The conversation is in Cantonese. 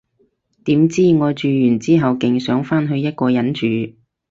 點知，我住完之後勁想返去一個人住